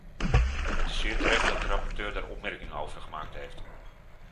Het is zeer terecht dat de rapporteur daar opmerkingen over gemaakt heeft.